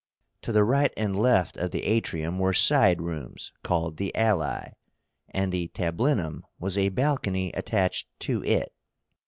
To the right and left of the Atrium were side rooms called the ALAE, and the TABLÍNUM was a balcony attached to it.